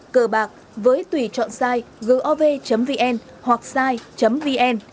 cờ bạc với tùy chọn site gov vn hoặc site vn